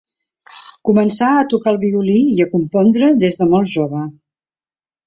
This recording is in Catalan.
Començà a tocar el violí i a compondre des de molt jove.